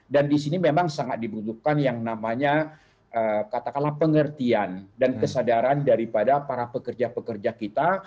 dan di sini memang sangat diperlukan yang namanya katakanlah pengertian dan kesadaran daripada para pekerja pekerja kita